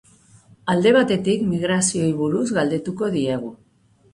Alde batetik, migrazioei buruz galdetuko diegu.